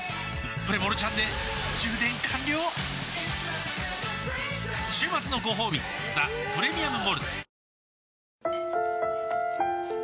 プレモルちゃんで充電完了週末のごほうび「ザ・プレミアム・モルツ」